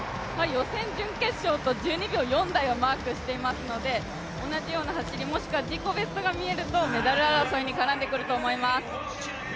予選、準決勝と、１４秒台をマークしているので同じような走り、もしくは自己ベストがみれると争いに加わってくると思います。